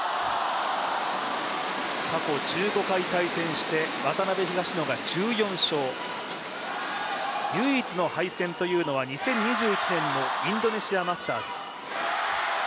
過去１５回対戦して渡辺・東野が１４勝、唯一の敗戦というのは２０２１年のインドネシアマスターズ。